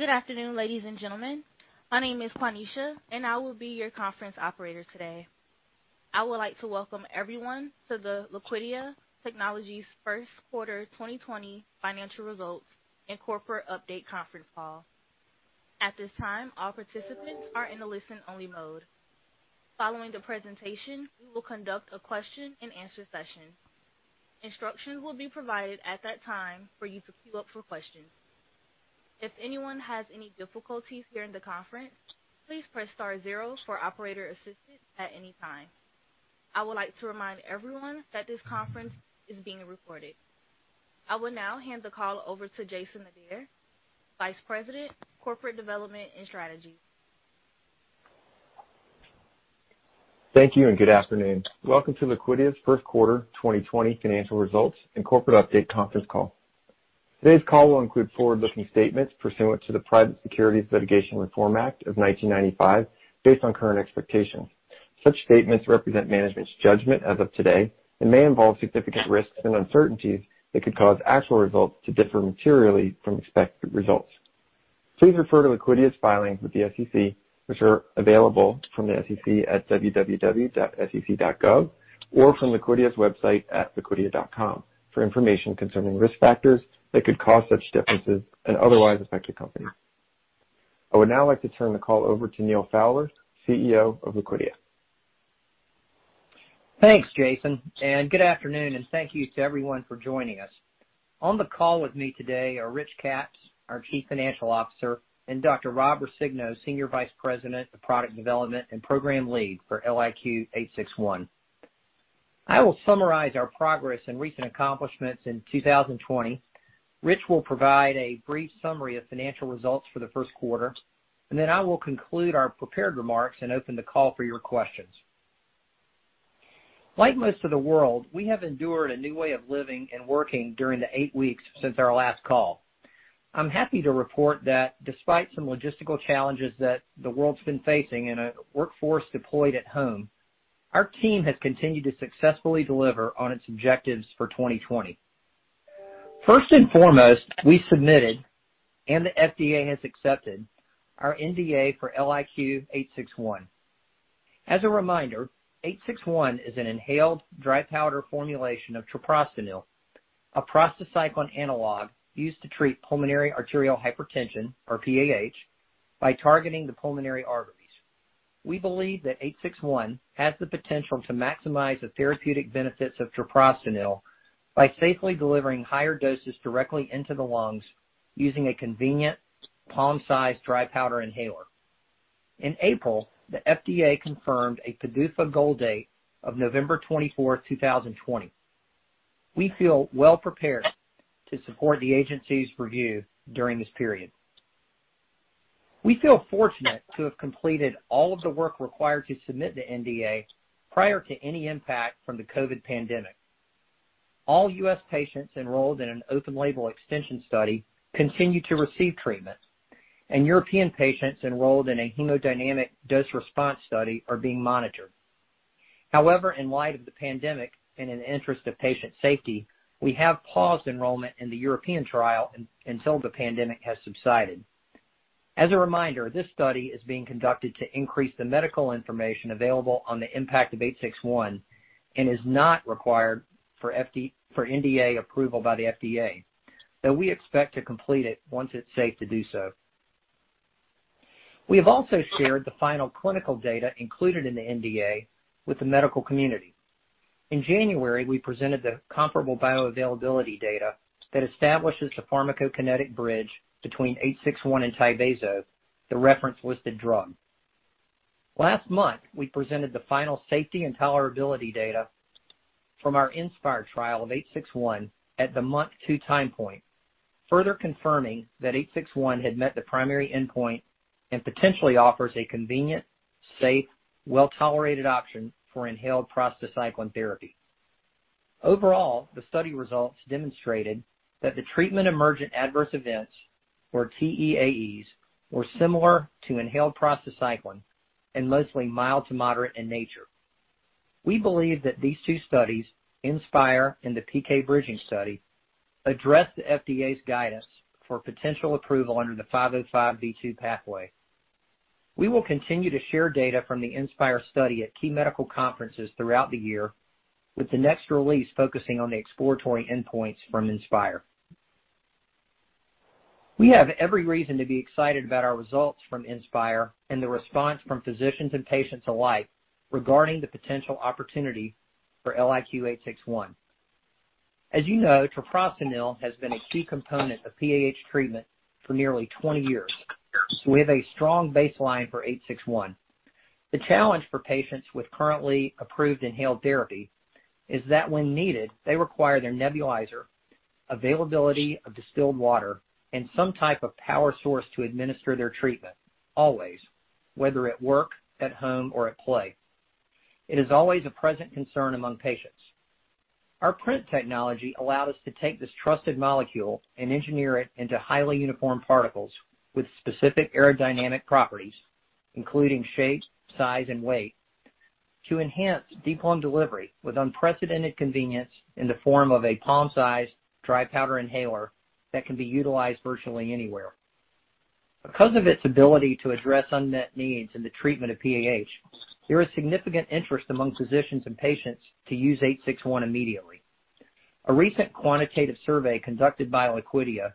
Good afternoon, ladies and gentlemen. My name is Quanisha, and I will be your conference operator today. I would like to welcome everyone to the Liquidia Technologies First Quarter 2020 Financial Results and Corporate Update Conference Call. At this time, all participants are in a listen-only mode. Following the presentation, we will conduct a question and answer session. Instructions will be provided at that time for you to queue up for questions. If anyone has any difficulties during the conference, please press star zero for operator assistance at any time. I would like to remind everyone that this conference is being recorded. I will now hand the call over to Jason Adair, Vice President, Corporate Development and Strategy. Thank you. Good afternoon. Welcome to Liquidia's First Quarter 2020 Financial Results and Corporate Update Conference Call. Today's call will include forward-looking statements pursuant to the Private Securities Litigation Reform Act of 1995, based on current expectations. Such statements represent management's judgment as of today, and may involve significant risks and uncertainties that could cause actual results to differ materially from expected results. Please refer to Liquidia's filings with the SEC, which are available from the SEC at www.sec.gov or from Liquidia's website at liquidia.com for information concerning risk factors that could cause such differences and otherwise affect the company. I would now like to turn the call over to Neal Fowler, CEO of Liquidia. Thanks, Jason, good afternoon, and thank you to everyone for joining us. On the call with me today are Rich Katz, our Chief Financial Officer, and Dr. Rob Roscigno, Senior Vice President of Product Development and Program Lead for LIQ861. I will summarize our progress and recent accomplishments in 2020. Rich will provide a brief summary of financial results for the first quarter. Then I will conclude our prepared remarks and open the call for your questions. Like most of the world, we have endured a new way of living and working during the eight weeks since our last call. I'm happy to report that despite some logistical challenges that the world's been facing and a workforce deployed at home, our team has continued to successfully deliver on its objectives for 2020. First and foremost, we submitted, the FDA has accepted our NDA for LIQ861. As a reminder, 861 is an inhaled dry powder formulation of treprostinil, a prostacyclin analog used to treat pulmonary arterial hypertension, or PAH, by targeting the pulmonary arteries. We believe that 861 has the potential to maximize the therapeutic benefits of treprostinil by safely delivering higher doses directly into the lungs using a convenient palm-sized dry powder inhaler. In April, the FDA confirmed a PDUFA goal date of November 24, 2020. We feel well prepared to support the agency's review during this period. We feel fortunate to have completed all of the work required to submit the NDA prior to any impact from the COVID pandemic. All U.S. patients enrolled in an open-label extension study continue to receive treatment, and European patients enrolled in a hemodynamic dose response study are being monitored. However, in light of the pandemic and in interest of patient safety, we have paused enrollment in the European trial until the pandemic has subsided. As a reminder, this study is being conducted to increase the medical information available on the impact of LIQ861 and is not required for NDA approval by the FDA, though we expect to complete it once it's safe to do so. We have also shared the final clinical data included in the NDA with the medical community. In January, we presented the comparable bioavailability data that establishes the pharmacokinetic bridge between LIQ861 and Tyvaso, the reference-listed drug. Last month, we presented the final safety and tolerability data from our INSPIRE trial of LIQ861 at the month two time point, further confirming that LIQ861 had met the primary endpoint and potentially offers a convenient, safe, well-tolerated option for inhaled prostacyclin therapy. Overall, the study results demonstrated that the Treatment-Emergent Adverse Events, or TEAEs, were similar to inhaled prostacyclin and mostly mild to moderate in nature. We believe that these two studies, INSPIRE and the PK Bridging study, address the FDA's guidance for potential approval under the 505(b)(2) pathway. We will continue to share data from the INSPIRE study at key medical conferences throughout the year, with the next release focusing on the exploratory endpoints from INSPIRE. We have every reason to be excited about our results from INSPIRE and the response from physicians and patients alike regarding the potential opportunity for LIQ861. As you know, treprostinil has been a key component of PAH treatment for nearly 20 years. We have a strong baseline for 861. The challenge for patients with currently approved inhaled therapy is that when needed, they require their nebulizer, availability of distilled water, and some type of power source to administer their treatment always, whether at work, at home, or at play. It is always a present concern among patients. Our PRINT technology allowed us to take this trusted molecule and engineer it into highly uniform particles with specific aerodynamic properties, including shape, size, and weight to enhance deep lung delivery with unprecedented convenience in the form of a palm-sized dry powder inhaler that can be utilized virtually anywhere. Because of its ability to address unmet needs in the treatment of PAH, there is significant interest among physicians and patients to use LIQ861 immediately. A recent quantitative survey conducted by Liquidia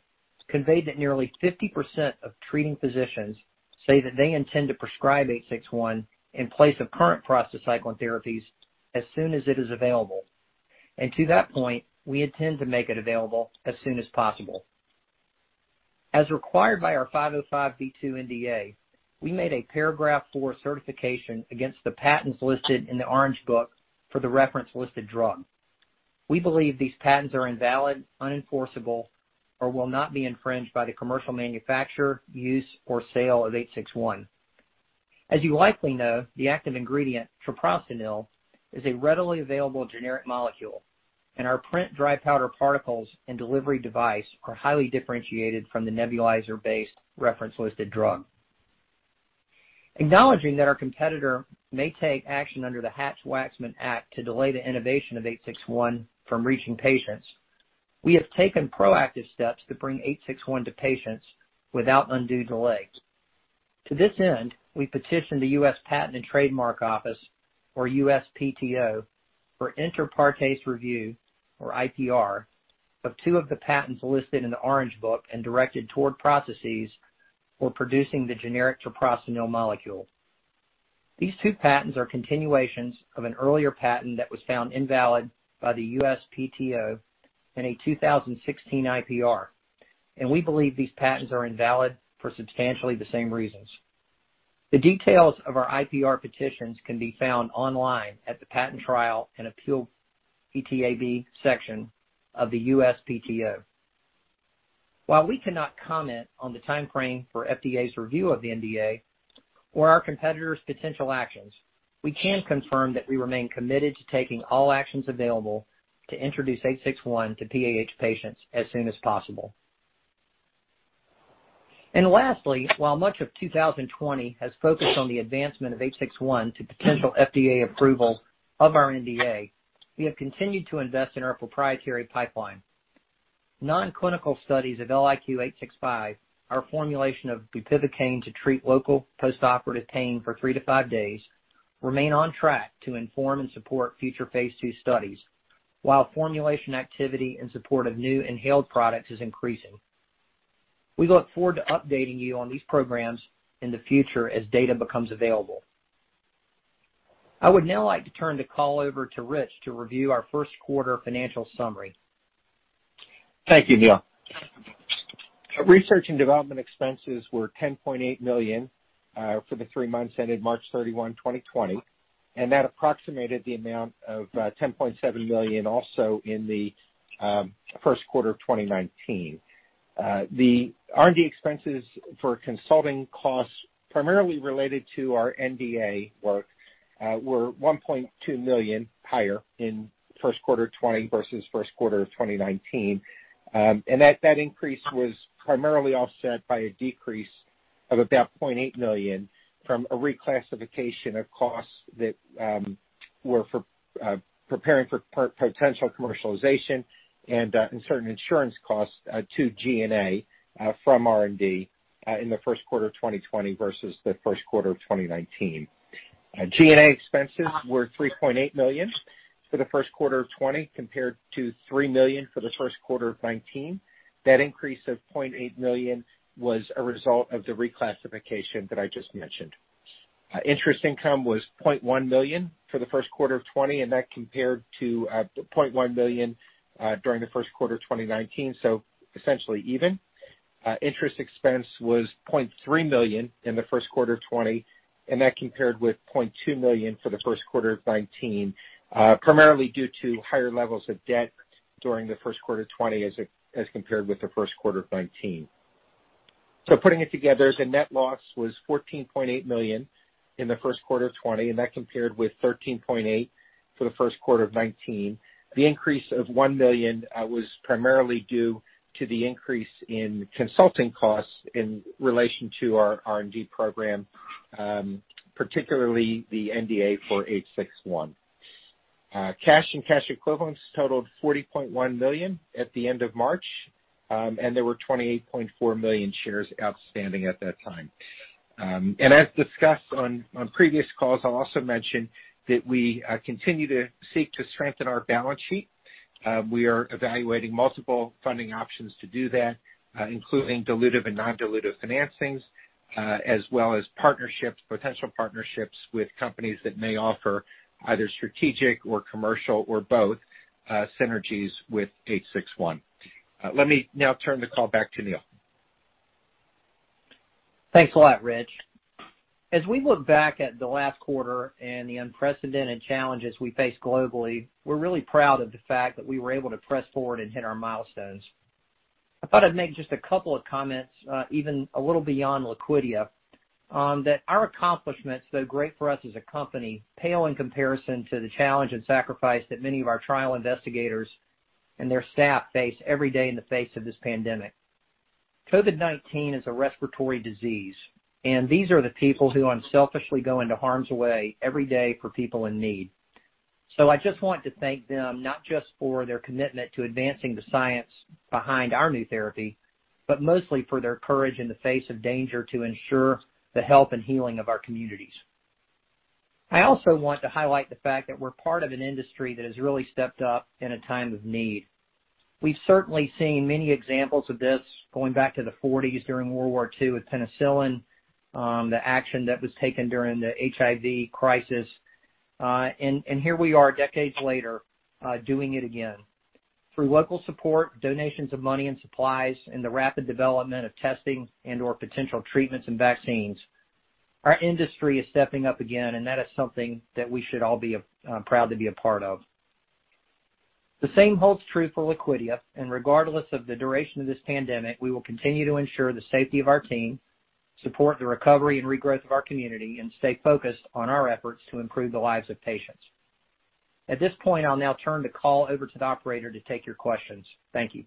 conveyed that nearly 50% of treating physicians say that they intend to prescribe LIQ861 in place of current prostacyclin therapies as soon as it is available. To that point, we intend to make it available as soon as possible. As required by our 505(b)(2) NDA, we made a Paragraph IV certification against the patents listed in the Orange Book for the reference listed drug. We believe these patents are invalid, unenforceable, or will not be infringed by the commercial manufacturer, use, or sale of LIQ861. As you likely know, the active ingredient, treprostinil, is a readily available generic molecule, our PRINT dry powder particles and delivery device are highly differentiated from the nebulizer-based reference listed drug. Acknowledging that our competitor may take action under the Hatch-Waxman Act to delay the innovation of LIQ861 from reaching patients, we have taken proactive steps to bring LIQ861 to patients without undue delay. To this end, we petitioned the United States Patent and Trademark Office, or USPTO, for inter partes review, or IPR, of two of the patents listed in the Orange Book and directed toward processes for producing the generic treprostinil molecule. These two patents are continuations of an earlier patent that was found invalid by the USPTO in a 2016 IPR, and we believe these patents are invalid for substantially the same reasons. The details of our IPR petitions can be found online at the Patent Trial and Appeal, PTAB, section of the USPTO. While we cannot comment on the timeframe for FDA's review of the NDA or our competitor's potential actions, we can confirm that we remain committed to taking all actions available to introduce 861 to PAH patients as soon as possible. Lastly, while much of 2020 has focused on the advancement of 861 to potential FDA approval of our NDA, we have continued to invest in our proprietary pipeline. Non-clinical studies of LIQ865, our formulation of bupivacaine to treat local postoperative pain for three to five days, remain on track to inform and support future phase II studies, while formulation activity in support of new inhaled products is increasing. We look forward to updating you on these programs in the future as data becomes available. I would now like to turn the call over to Rich to review our first quarter financial summary. Thank you, Neal. Research and development expenses were $10.8 million for the three months ended March 31, 2020, and that approximated the amount of $10.7 million also in the first quarter of 2019. The R&D expenses for consulting costs, primarily related to our NDA work, were $1.2 million higher in first quarter 2020 versus first quarter of 2019. That increase was primarily offset by a decrease of about $0.8 million from a reclassification of costs that were for preparing for potential commercialization and certain insurance costs to G&A from R&D in the first quarter of 2020 versus the first quarter of 2019. G&A expenses were $3.8 million for the first quarter of 2020 compared to $3 million for the first quarter of 2019. That increase of $0.8 million was a result of the reclassification that I just mentioned. Interest income was $0.1 million for the first quarter of 2020. That compared to $0.1 million during the first quarter of 2019. Essentially even. Interest expense was $0.3 million in the first quarter of 2020. That compared with $0.2 million for the first quarter of 2019, primarily due to higher levels of debt during the first quarter of 2020 as compared with the first quarter of 2019. Putting it together, the net loss was $14.8 million in the first quarter of 2020. That compared with $13.8 million for the first quarter of 2019. The increase of $1 million was primarily due to the increase in consulting costs in relation to our R&D program, particularly the NDA for LIQ861. Cash and cash equivalents totaled $40.1 million at the end of March. There were 28.4 million shares outstanding at that time. As discussed on previous calls, I'll also mention that we continue to seek to strengthen our balance sheet. We are evaluating multiple funding options to do that, including dilutive and non-dilutive financings, as well as potential partnerships with companies that may offer either strategic or commercial or both synergies with 861. Let me now turn the call back to Neal. Thanks a lot, Rich. We look back at the last quarter and the unprecedented challenges we face globally, we're really proud of the fact that we were able to press forward and hit our milestones. I thought I'd make just a couple of comments, even a little beyond Liquidia, that our accomplishments, though great for us as a company, pale in comparison to the challenge and sacrifice that many of our trial investigators and their staff face every day in the face of this pandemic. COVID-19 is a respiratory disease, and these are the people who unselfishly go into harm's way every day for people in need. I just want to thank them, not just for their commitment to advancing the science behind our new therapy, but mostly for their courage in the face of danger to ensure the health and healing of our communities. I also want to highlight the fact that we're part of an industry that has really stepped up in a time of need. We've certainly seen many examples of this going back to the '40s during World War II with penicillin, the action that was taken during the HIV crisis. Here we are decades later, doing it again. Through local support, donations of money and supplies, and the rapid development of testing and/or potential treatments and vaccines, our industry is stepping up again, and that is something that we should all be proud to be a part of. The same holds true for Liquidia, regardless of the duration of this pandemic, we will continue to ensure the safety of our team, support the recovery and regrowth of our community, and stay focused on our efforts to improve the lives of patients. At this point, I'll now turn the call over to the operator to take your questions. Thank you.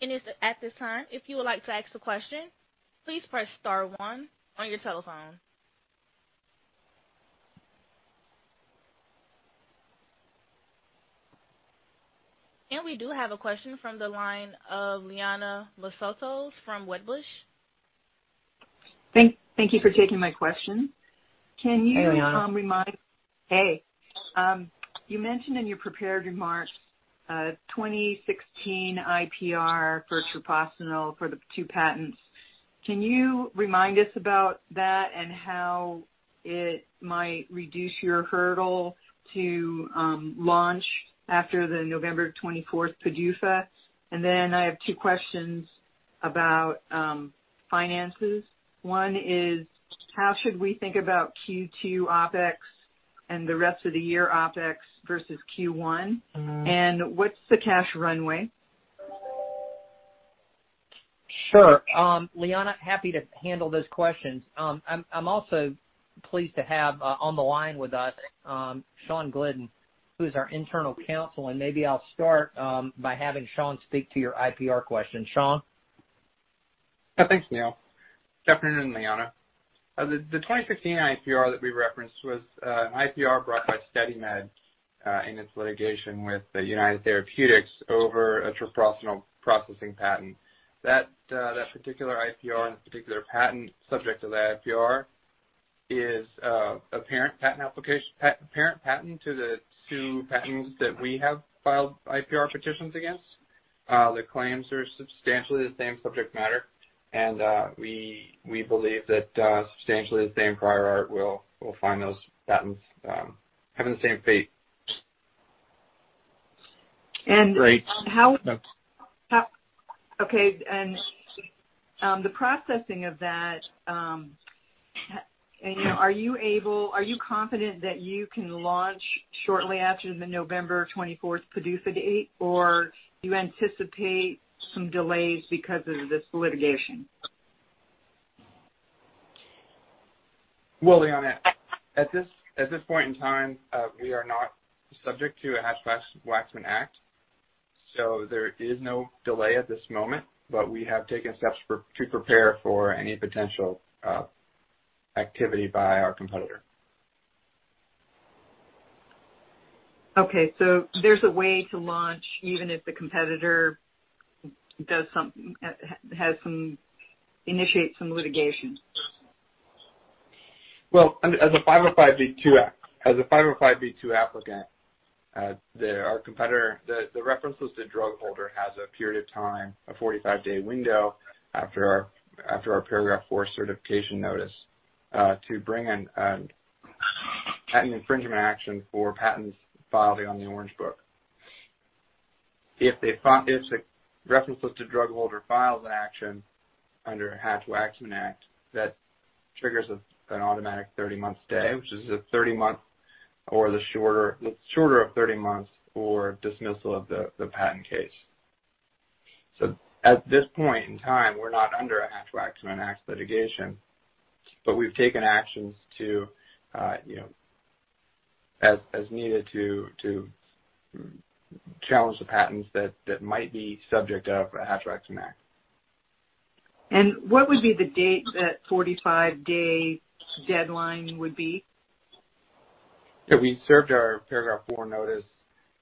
It's at this time, if you would like to ask a question, please press star one on your telephone. We do have a question from the line of Liana Moussatos from Wedbush. Thank you for taking my question. Hey, Liana. Hey. You mentioned in your prepared remarks a 2016 IPR for treprostinil for the two patents. Can you remind us about that and how it might reduce your hurdle to launch after the November 24th PDUFA? I have two questions about finances. One is, how should we think about Q2 OpEx and the rest of the year OpEx versus Q1? What's the cash runway? Sure. Liana, happy to handle those questions. I'm also pleased to have on the line with us, Shawn Glidden, who's our internal counsel. Maybe I'll start by having Shawn speak to your IPR question. Shawn? Thanks, Neal. Good afternoon, Liana. The 2016 IPR that we referenced was an IPR brought by SteadyMed in its litigation with United Therapeutics over a treprostinil processing patent. That particular IPR and the particular patent subject to that IPR is a parent patent to the two patents that we have filed IPR petitions against. The claims are substantially the same subject matter. We believe that substantially the same prior art will find those patents having the same fate. And how- Great. Okay. The processing of that, are you confident that you can launch shortly after the November 24th PDUFA date, or do you anticipate some delays because of this litigation? Well, Liana, at this point in time, we are not subject to a Hatch-Waxman Act, so there is no delay at this moment, but we have taken steps to prepare for any potential activity by our competitor. Okay. There's a way to launch even if the competitor initiates some litigation. As a 505(b)(2) applicant, the references to drug holder has a period of time, a 45-day window after our Paragraph IV certification notice, to bring in a patent infringement action for patents filed on the Orange Book. If the reference listed drug holder files an action under Hatch-Waxman Act, that triggers an automatic 30-month stay, which is a 30 months or the shorter of 30 months for dismissal of the patent case. At this point in time, we're not under a Hatch-Waxman Act litigation, but we've taken actions as needed to challenge the patents that might be subject of a Hatch-Waxman Act. What would be the date that 45 day deadline would be? We served our Paragraph IV notice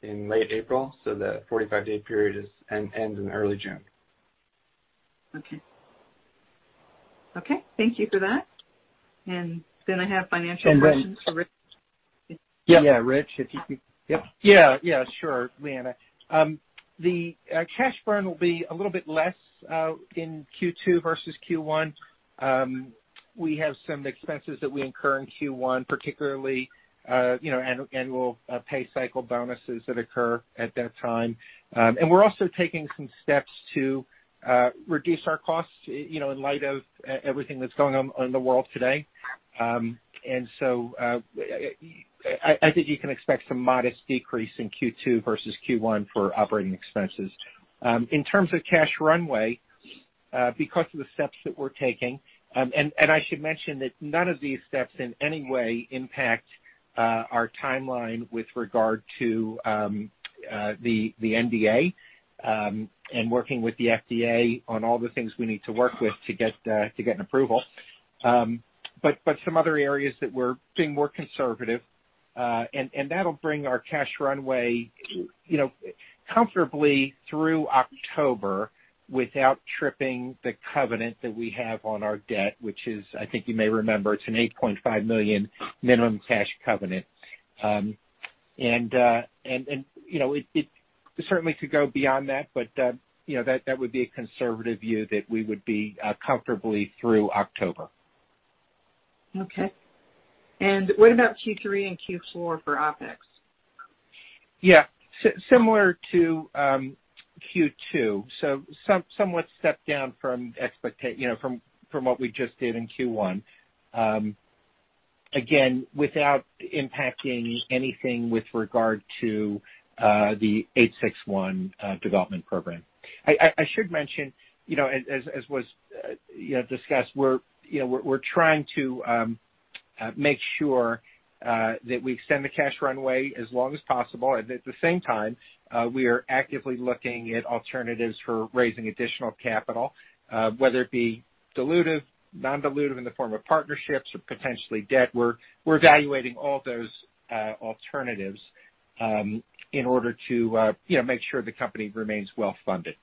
in late April, so the 45 day period ends in early June. Okay. Thank you for that. I have financial questions for Rich. Yeah, Rich, if you could. Yeah. Sure, Liana. The cash burn will be a little bit less in Q2 versus Q1. We have some expenses that we incur in Q1, particularly annual pay cycle bonuses that occur at that time. We're also taking some steps to reduce our costs in light of everything that's going on in the world today. I think you can expect some modest decrease in Q2 versus Q1 for operating expenses. In terms of cash runway. Because of the steps that we're taking. I should mention that none of these steps in any way impact our timeline with regard to the NDA, and working with the FDA on all the things we need to work with to get an approval. Some other areas that we're being more conservative, and that'll bring our cash runway comfortably through October without tripping the covenant that we have on our debt, which is, I think you may remember, it's an $8.5 million minimum cash covenant. It certainly could go beyond that, but that would be a conservative view that we would be comfortably through October. Okay. What about Q3 and Q4 for OpEx? Yeah. Similar to Q2, so somewhat stepped down from what we just did in Q1. Without impacting anything with regard to the 861 development program. I should mention, as was discussed, we're trying to make sure that we extend the cash runway as long as possible. At the same time, we are actively looking at alternatives for raising additional capital, whether it be dilutive, non-dilutive in the form of partnerships or potentially debt. We're evaluating all those alternatives in order to make sure the company remains well-funded.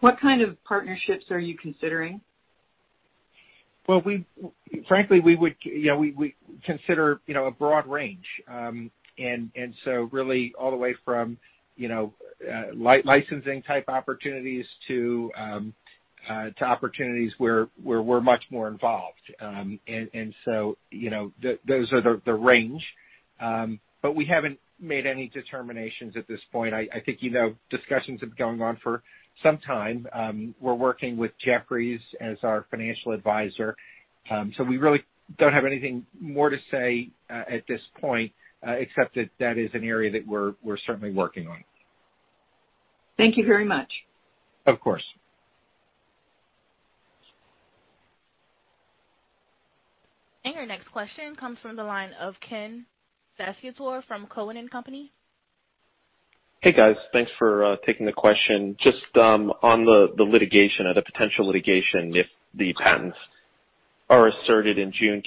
What kind of partnerships are you considering? Well, frankly, we would consider a broad range. Really all the way from licensing type opportunities to opportunities where we're much more involved. Those are the range. We haven't made any determinations at this point. I think discussions have been going on for some time. We're working with Jefferies as our financial advisor. We really don't have anything more to say at this point, except that that is an area that we're certainly working on. Thank you very much. Of course. Your next question comes from the line of Ken Cacciatore from Cowen and Company. Hey, guys. Thanks for taking the question. Just on the litigation or the potential litigation, if the patents are asserted in June,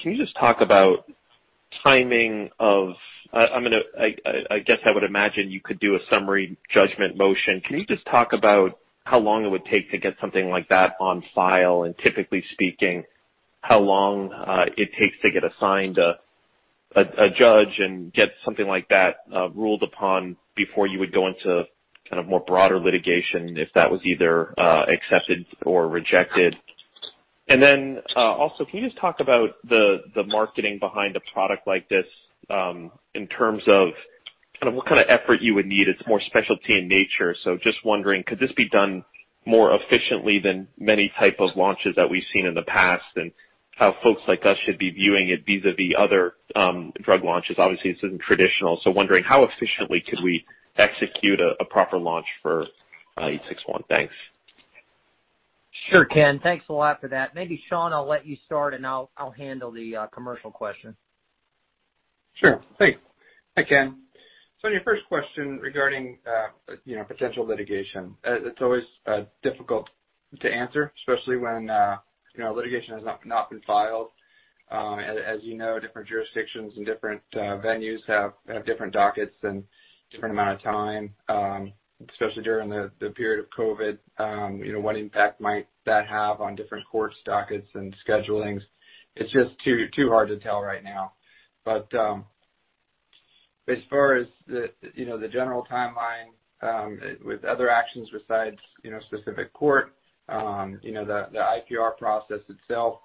I guess I would imagine you could do a summary judgment motion. Can you just talk about how long it would take to get something like that on file? Typically speaking, how long it takes to get assigned a judge and get something like that ruled upon before you would go into kind of more broader litigation if that was either accepted or rejected? Then also, can you just talk about the marketing behind a product like this, in terms of what kind of effort you would need? It's more specialty in nature. Just wondering, could this be done more efficiently than many type of launches that we've seen in the past and how folks like us should be viewing it vis-a-vis other drug launches? Obviously, this isn't traditional. Wondering how efficiently could we execute a proper launch for 861. Thanks. Sure, Ken. Thanks a lot for that. Maybe, Shawn, I'll let you start and I'll handle the commercial question. Sure. Thanks. Hi, Ken. On your first question regarding potential litigation, it's always difficult to answer, especially when litigation has not been filed. As you know, different jurisdictions and different venues have different dockets and different amount of time, especially during the period of COVID. What impact might that have on different court dockets and schedulings? It's just too hard to tell right now. As far as the general timeline with other actions besides specific court, the IPR process itself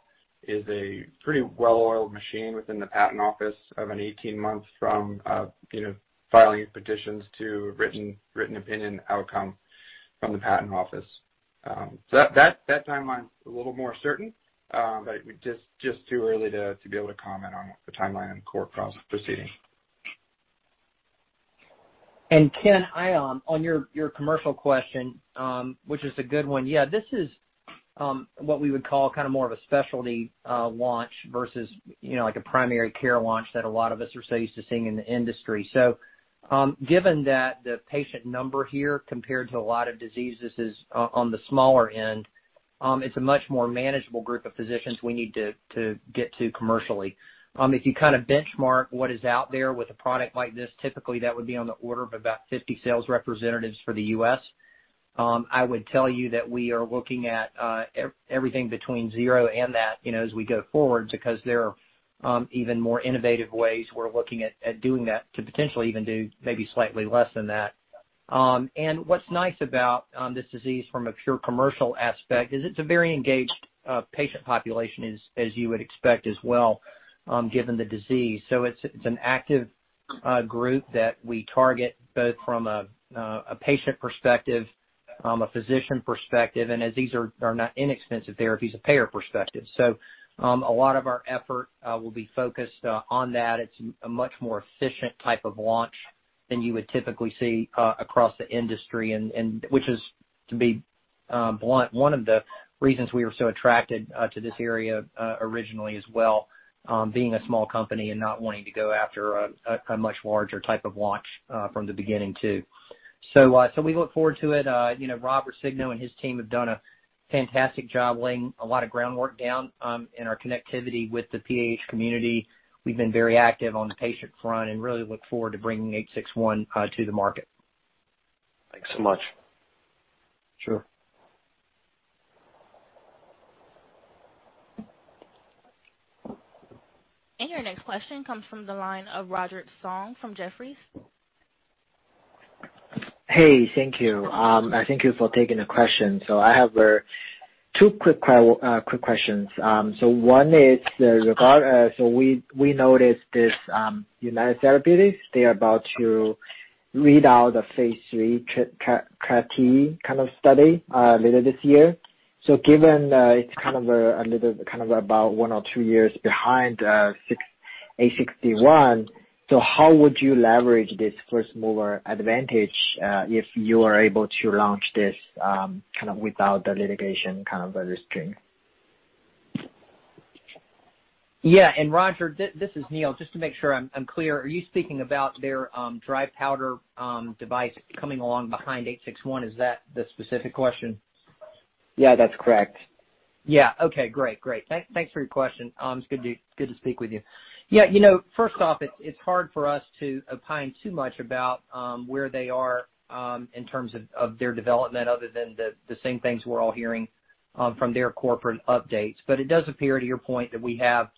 is a pretty well-oiled machine within the patent office of an 18 months from filing petitions to written opinion outcome from the patent office. That timeline's a little more certain, but just too early to be able to comment on the timeline on court proceedings. Ken, on your commercial question, which is a good one. Yeah, this is what we would call kind of more of a specialty launch versus like a primary care launch that a lot of us are so used to seeing in the industry. Given that the patient number here compared to a lot of diseases is on the smaller end, it's a much more manageable group of physicians we need to get to commercially. If you kind of benchmark what is out there with a product like this, typically that would be on the order of about 50 sales representatives for the U.S. I would tell you that we are looking at everything between zero and that as we go forward because there are even more innovative ways we're looking at doing that to potentially even do maybe slightly less than that. What's nice about this disease from a pure commercial aspect is it's a very engaged patient population as you would expect as well, given the disease. It's an active group that we target both from a patient perspective, a physician perspective, and as these are not inexpensive therapies, a payer perspective. A lot of our effort will be focused on that. It's a much more efficient type of launch Than you would typically see across the industry, and which is, to be blunt, one of the reasons we were so attracted to this area originally as well, being a small company and not wanting to go after a much larger type of launch from the beginning too. We look forward to it. Rob Roscigno and his team have done a fantastic job laying a lot of groundwork down in our connectivity with the PAH community. We've been very active on the patient front and really look forward to bringing LIQ861 to the market. Thanks so much. Sure. Your next question comes from the line of Roger Song from Jefferies. Thank you. Thank you for taking the question. I have two quick questions. One is regarding, we noticed this United Therapeutics, they are about to read out the phase III CAR-T kind of study later this year. Given it's about one or two years behind LIQ861, how would you leverage this first mover advantage if you are able to launch this, without the litigation restraint? Yeah, Roger, this is Neal. Just to make sure I'm clear, are you speaking about their dry powder device coming along behind 861? Is that the specific question? Yeah, that's correct. Okay, great. Thanks for your question. It's good to speak with you. First off, it's hard for us to opine too much about where they are in terms of their development other than the same things we're all hearing from their corporate updates. It does appear to your point that we have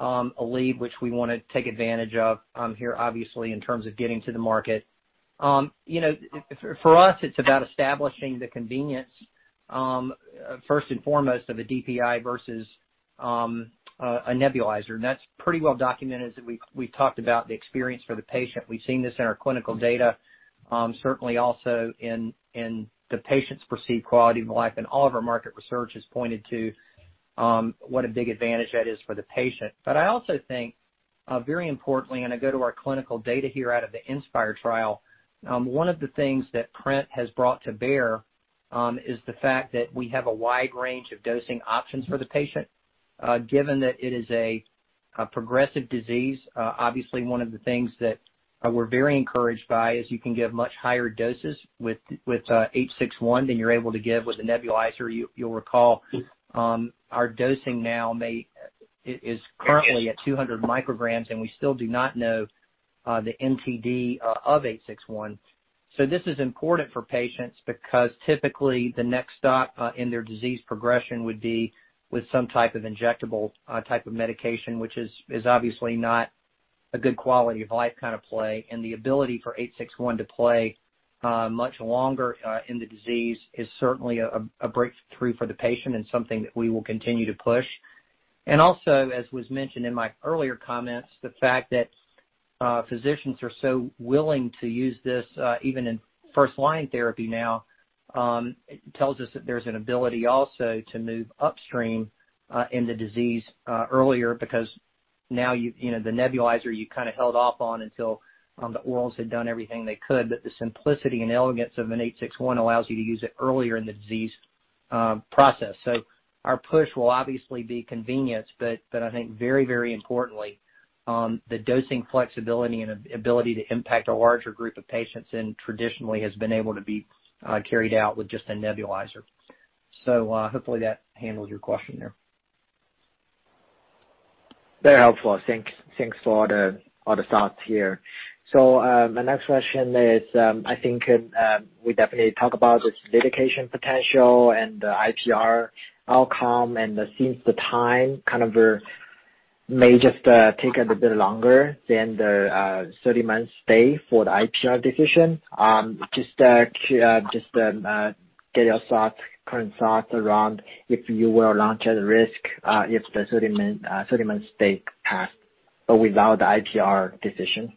a lead which we want to take advantage of here, obviously, in terms of getting to the market. For us it's about establishing the convenience, first and foremost of a DPI versus a nebulizer. That's pretty well documented as we've talked about the experience for the patient. We've seen this in our clinical data, certainly also in the patient's perceived quality of life. All of our market research has pointed to what a big advantage that is for the patient. I also think very importantly, and I go to our clinical data here out of the INSPIRE trial, one of the things that PRINT has brought to bear, is the fact that we have a wide range of dosing options for the patient. Given that it is a progressive disease, obviously one of the things that we're very encouraged by is you can give much higher doses with LIQ861 than you're able to give with a nebulizer. You'll recall our dosing now is currently at 200 micrograms and we still do not know the MTD of LIQ861. This is important for patients because typically the next stop in their disease progression would be with some type of injectable type of medication, which is obviously not a good quality of life kind of play. The ability for LIQ861 to play much longer in the disease is certainly a breakthrough for the patient and something that we will continue to push. Also, as was mentioned in my earlier comments, the fact that physicians are so willing to use this even in first line therapy now, tells us that there's an ability also to move upstream in the disease earlier because now the nebulizer you kind of held off on until the orals had done everything they could. The simplicity and elegance of an LIQ861 allows you to use it earlier in the disease process. Our push will obviously be convenience, but I think very importantly, the dosing flexibility and ability to impact a larger group of patients than traditionally has been able to be carried out with just a nebulizer. Hopefully that handles your question there. Very helpful. Thanks for all the thoughts here. My next question is, I think we definitely talk about this litigation potential and the IPR outcome and since the time kind of may just take a little bit longer than the 30 months stay for the IPR decision. Just get your current thoughts around if you will launch at risk if the 30 months stay passed, but without the IPR decision.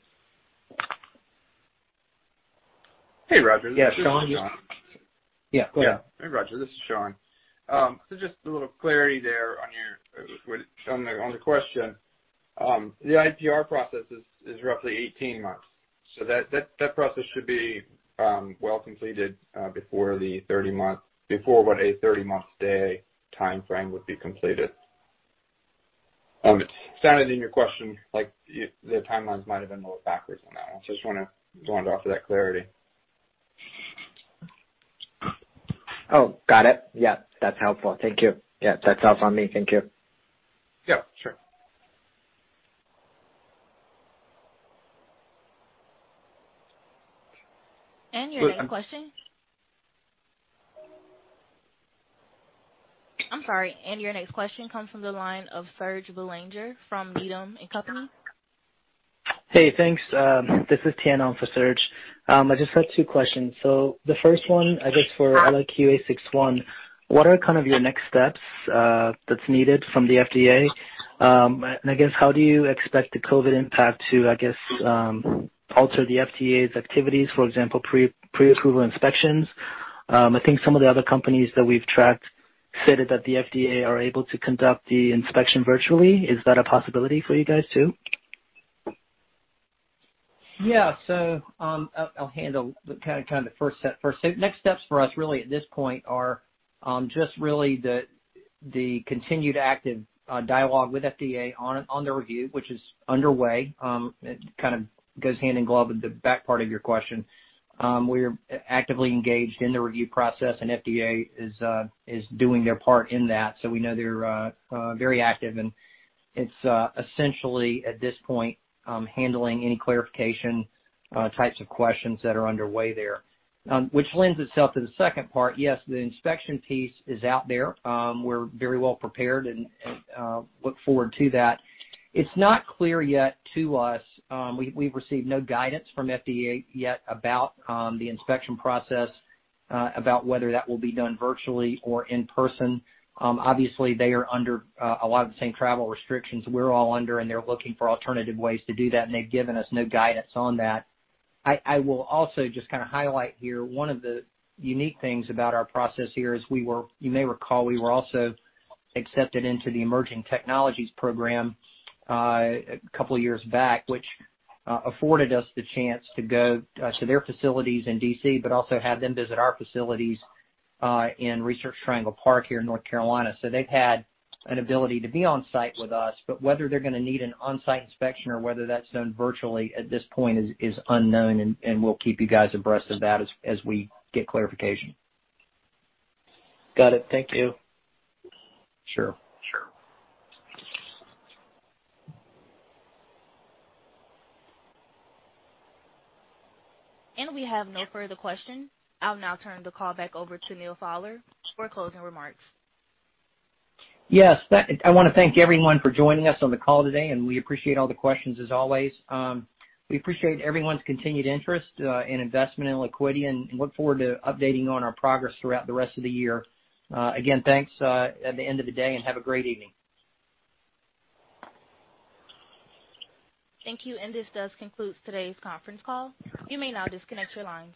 Hey, Roger. Yeah, Shawn. Yeah, go ahead. Hey, Roger. This is Shawn. Just a little clarity there on the question. The IPR process is roughly 18 months, so that process should be well completed before a 30-month stay timeframe would be completed. It sounded in your question like the timelines might have been a little backwards on that one. Just wanted to offer that clarity. Oh, got it. Yeah, that's helpful. Thank you. Yeah, that's all on me. Thank you. Yeah, sure. I'm sorry. Your next question comes from the line of Serge Belanger from Needham & Company. Hey, thanks. This is Tian on for Serge. I just have two questions. The first one, for LIQ861, what are your next steps that's needed from the FDA? How do you expect the COVID-19 impact to alter the FDA's activities, for example, preapproval inspections? I think some of the other companies that we've tracked stated that the FDA are able to conduct the inspection virtually. Is that a possibility for you guys, too? Yeah. I'll handle kind of the first set first. Next steps for us really at this point are just really the continued active dialogue with FDA on the review, which is underway. It kind of goes hand in glove with the back part of your question. We're actively engaged in the review process, and FDA is doing their part in that. We know they're very active, and it's essentially at this point handling any clarification types of questions that are underway there. Which lends itself to the second part. Yes, the inspection piece is out there. We're very well prepared and look forward to that. It's not clear yet to us, we've received no guidance from FDA yet about the inspection process, about whether that will be done virtually or in person. Obviously, they are under a lot of the same travel restrictions we're all under, and they're looking for alternative ways to do that, and they've given us no guidance on that. I will also just kind of highlight here, one of the unique things about our process here is we were, you may recall, we were also accepted into the Emerging Technology Program a couple of years back, which afforded us the chance to go to their facilities in D.C., but also have them visit our facilities in Research Triangle Park here in North Carolina. They've had an ability to be on-site with us. Whether they're going to need an on-site inspection or whether that's done virtually at this point is unknown, and we'll keep you guys abreast of that as we get clarification. Got it. Thank you. Sure. Sure. We have no further questions. I'll now turn the call back over to Neal Fowler for closing remarks. Yes. I want to thank everyone for joining us on the call today, and we appreciate all the questions as always. We appreciate everyone's continued interest and investment in Liquidia and look forward to updating you on our progress throughout the rest of the year. Again, thanks at the end of the day, and have a great evening. Thank you. This does conclude today's conference call. You may now disconnect your lines.